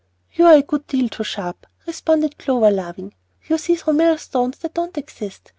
"You are a great deal too sharp," responded Clover, laughing. "You see through millstones that don't exist.